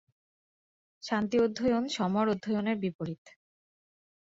শান্তি অধ্যয়ন সমর অধ্যয়নের বিপরীত।